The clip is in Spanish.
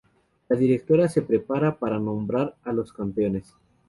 La directora se prepara para nombrar a los campeones.